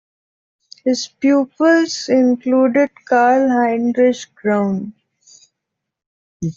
His pupils included Carl Heinrich Graun.